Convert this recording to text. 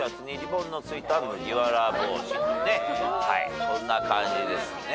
こんな感じですね。